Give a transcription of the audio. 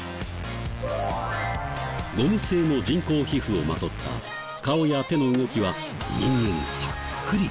ゴム製の人工皮膚をまとった顔や手の動きは人間そっくり！